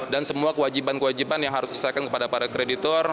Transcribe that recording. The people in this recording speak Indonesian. dan semua kewajiban kewajiban yang harus disesuaikan kepada para kreditor